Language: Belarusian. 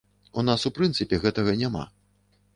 У нас у прынцыпе гэтага няма.